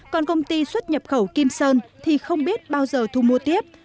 còn công ty xuất nhập khẩu kim sơn thì không biết bao giờ thu mua tiếp